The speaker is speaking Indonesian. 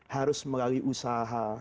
harus melalui usaha